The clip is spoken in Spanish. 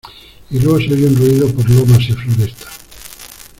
Y luego se oye un ruido por lomas y floresta.